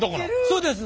そうです。